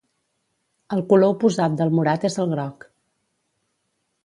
El color oposat del morat és el groc.